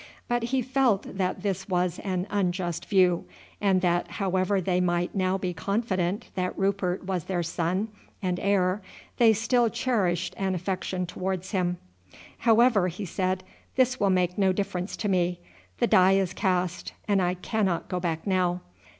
But he felt that this was an unjust view, and that however they might now be confident that Rupert was their son and heir they still cherished an affection towards him. "However," he said, "this will make no difference to me. The die is cast, and I cannot go back now.